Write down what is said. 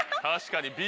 確かに。